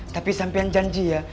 tapi sampean janji ya